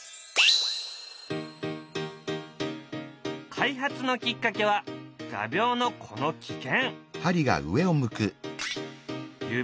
開発のきっかけは画びょうのこの危険。